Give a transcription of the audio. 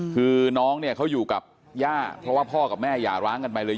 คือน้องเนี่ยเขาอยู่กับย่าเพราะว่าพ่อกับแม่อย่าร้างกันไปเลย